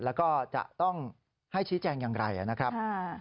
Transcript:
แล้วก็จะต้องให้ชี้แจงอย่างไรนะครับ